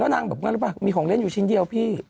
แล้วนางแบบว่าอย่างนั้นรู้ป่ะมีของเล่นอยู่ชิ้นเดียวพี่